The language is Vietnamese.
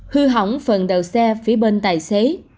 hư hỏng phần đầu xe phía bên tài xế